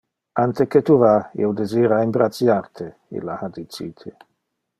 "Ante tu va, io desira imbraciar te", illa ha dicite.